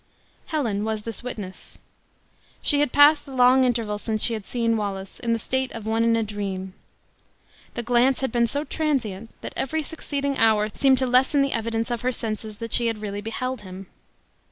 Helen was this witness. She had passed the long interval, since she had seen Wallace, in the state of one in a dream. The glance had been so transient, that every succeeding hour seemed to lessen the evidence of her senses that she had really beheld him.